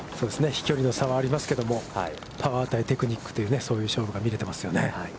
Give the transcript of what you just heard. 飛距離の差はありますけども、パワー対テクニックというそういう勝負が見られていますよね。